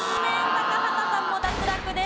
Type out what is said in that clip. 高畑さんも脱落です。